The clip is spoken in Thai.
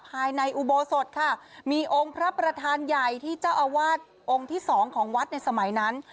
ภายในอุโบสถค่ะมีองค์พระประธานใหญ่ที่เจ้าอาวาสองค์ที่สองของวัดในสมัยนั้น